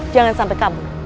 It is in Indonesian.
jangan sampai kamu